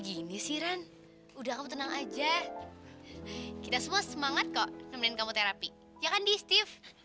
gini sih ran udah kamu tenang aja kita semua semangat kok nemenin kamu terapi ya kan di steve